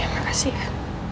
ya makasih ya